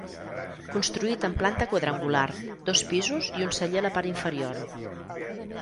Construït en planta quadrangular, dos pisos i un celler a la part inferior.